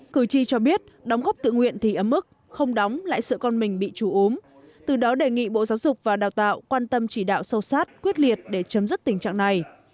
cử tri cho biết đóng góp tự nguyện thì ấm mức không đóng lại sợ con mình bị chủ ốm từ đó đề nghị bộ giáo dục và đào tạo quan tâm chỉ đạo sâu sát quyết liệt để chấm dứt tình trạng này